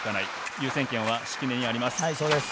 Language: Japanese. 優先権は敷根にあります。